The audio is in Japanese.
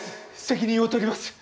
責任を取ります